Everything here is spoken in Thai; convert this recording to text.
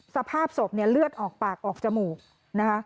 สภาพศพเนี่ยเลือดออกปากออกจมูกนะคะ